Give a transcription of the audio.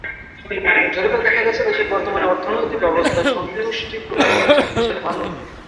জরিপে দেখা গেছে, দেশের বর্তমান অর্থনৈতিক অবস্থায় সন্তুষ্টি প্রকাশ করেছেন দেশের মানুষ।